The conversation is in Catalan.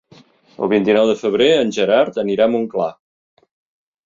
El vint-i-nou de febrer en Gerard anirà a Montclar.